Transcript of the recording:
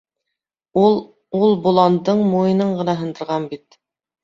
Ул... ул боландың муйынын ғына һындырған бит.